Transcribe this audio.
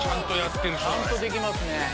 ちゃんとできますね。